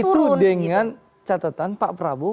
itu dengan catatan pak prabowo